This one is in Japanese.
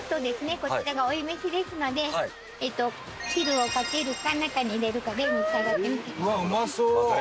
こちらが追い飯ですので汁をかけるか中に入れるかで召し上がってみてください。